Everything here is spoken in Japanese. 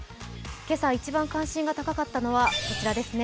今朝一番関心が高かったのはこちらですね。